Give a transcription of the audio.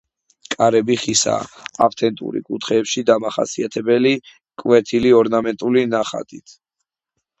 კარები ხისაა, ავთენტური, კუთხეებში დამახასიათებელი კვეთილი, ორნამენტული ნახატით.